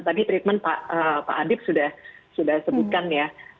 tadi treatment pak adib sudah sebutkan ya